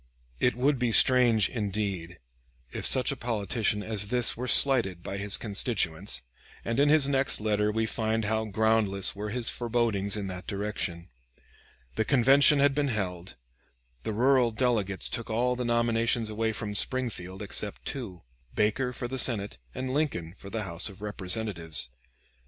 It would be strange, indeed, if such a politician as this were slighted by his constituents, and in his next letter we find how groundless were his forebodings in that direction. The convention had been held; the rural delegates took all the nominations away from Springfield except two, Baker for the Senate, and Lincoln for the House of Representatives.